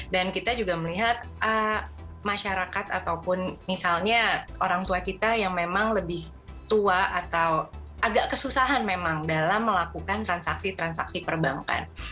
dan kita juga melihat masyarakat ataupun misalnya orang tua kita yang memang lebih tua atau agak kesusahan memang dalam melakukan transaksi transaksi perbankan